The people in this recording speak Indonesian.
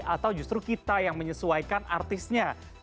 atau justru kita yang menyesuaikan artisnya